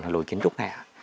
lối kiến trúc này ạ